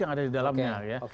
yang ada di dalamnya